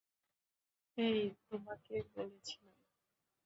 এই, তোমাকে বলেছিলাম।